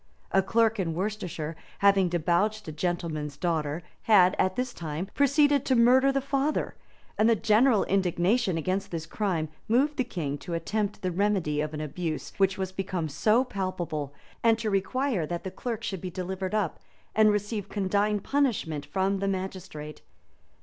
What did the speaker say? A clerk in Worcestershire, having debauched a gentleman's daughter, had, at this time, proceeded to murder the father; and the general indignation against this crime moved the king to attempt the remedy of an abuse which was become so palpable, and to require that the clerk should be delivered up, and receive condign punishment from the magistrate.